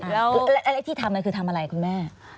แล้วที่ทำก็คือทำอะไรคุณแม่